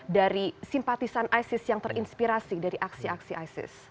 dari simpatisan isis yang terinspirasi dari aksi aksi isis